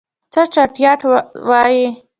څه چټياټ وايي.